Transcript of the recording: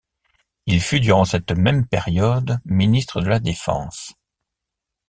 Il fut durant cette même période Ministre de la Défense.